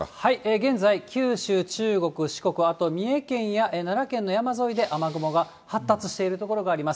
現在、九州、中国、四国、あと三重県や奈良県の山沿いで雨雲が発達している所があります。